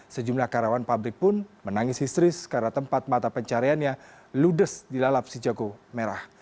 sejumlah karawan pabrik pun menangis histeris karena tempat mata pencariannya ludes di lalap si joko merah